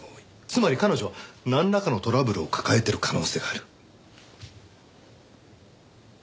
つまり彼女はなんらかのトラブルを抱えてる可能性がある。